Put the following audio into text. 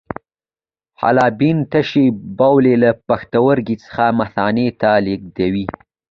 حالبین تشې بولې له پښتورګو څخه مثانې ته لیږدوي.